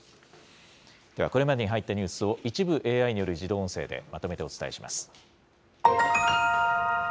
では、これまでに入っているニュースを一部ＡＩによる自動音声でまとめてお伝えします。